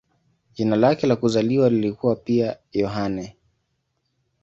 Jina lake la kuzaliwa lilikuwa pia "Yohane".